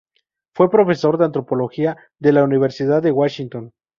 Fue profesor de antropología de la Universidad de Washington.